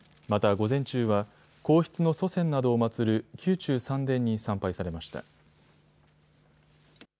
また、午前中は皇室の祖先などを祭る、宮中三殿に参拝されました。